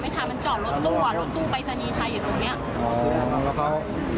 ไม่ค่ะมันจอดรถตู้อ่ะรถตู้ปรายศนีย์ไทยอยู่ตรงเนี้ยอ๋อแล้วเขาเขาชักปืนเมื่อกี้เลย